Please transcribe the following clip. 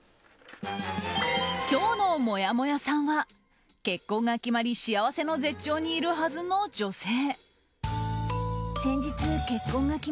今日のもやもやさんは結婚が決まり幸せの絶頂にいるはずの女性。